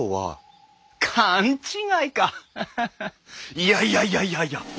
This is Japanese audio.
いやいやいやいやいや！